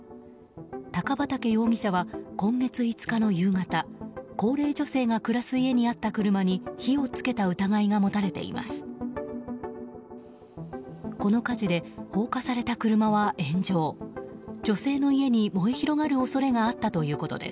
高畠容疑者は今月５日の夕方高齢女性が暮らす家にあった車に火を付けた疑いが持たれています。